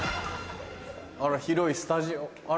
あら広いスタジオ。